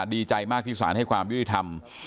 ดีใจมากที่สารให้ความยุติธรรม